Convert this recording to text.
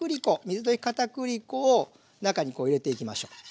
水溶きかたくり粉を中にこう入れていきましょう。